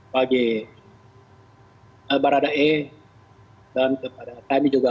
bagi baradae dan kepada kami juga